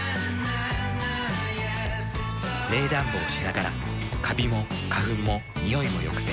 冷暖房しながらカビも花粉もニオイも抑制。